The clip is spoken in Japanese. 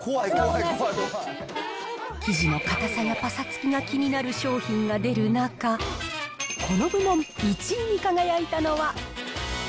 生地の硬さやぱさつきが気になる商品が出る中、この部門１位に輝いたのは。